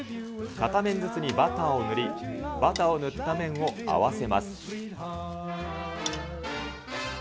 片面ずつにバターを塗り、バターを塗った面を合わせます。